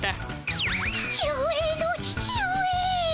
父上の父上。